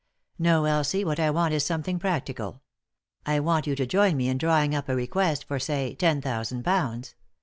No, Elsie, what I want is something practical. I want you to join me in drawing up a request for, say, ten thousand pounds.